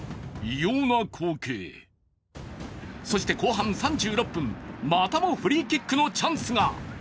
そして後半３６分、またもフリーキックのチャンスが。